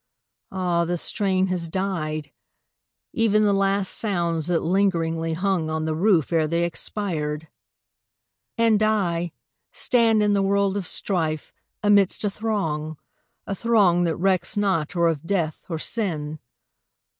Ah, the strain Has died ev'n the last sounds that lingeringly Hung on the roof ere they expired! And I, Stand in the world of strife, amidst a throng, A throng that recks not or of death, or sin!